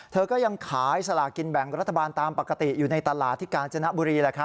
เธอก็ยังขายสลากินแบ่งรัฐบาลตามปกติอยู่ในตลาดที่กาญจนบุรี